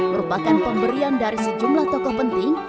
merupakan pemberian dari sejumlah tokoh penting